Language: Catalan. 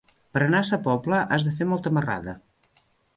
Per anar a Sa Pobla has de fer molta marrada.